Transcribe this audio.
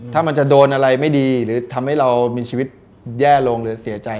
ถ้ามันจะโดนอะไรไม่ดีหรือทำให้เรามีชีวิตแย่ลงหรือเสียใจ